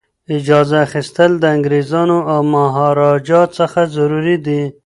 اجازه اخیستل د انګریزانو او مهاراجا څخه ضروري دي.